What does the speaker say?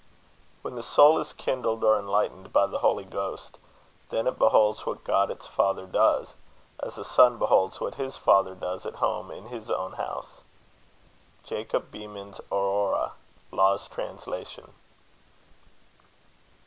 When the Soul is kindled or enlightened by the Holy Ghost, then it beholds what God its Father does, as a Son beholds what his Father does at Home in his own House. JACOB BEHMEN'S Aurora Law's Translation.